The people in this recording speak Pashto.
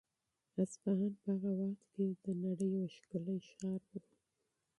اصفهان په هغه وخت کې د نړۍ یو ښکلی ښار و.